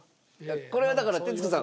これはだから徹子さん